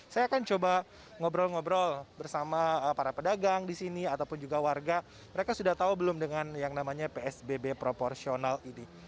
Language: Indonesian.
saya akan coba ngobrol ngobrol bersama para pedagang di sini ataupun juga warga mereka sudah tahu belum dengan yang namanya psbb proporsional ini